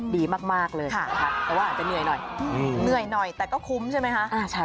ดีมากเลยแต่ว่ามันเหนื่อยหน่อยแต่ก็คุ้มใช่มั้ยคะ